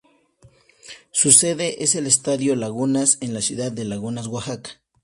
Su sede es el Estadio Lagunas en la ciudad de Lagunas, Oaxaca.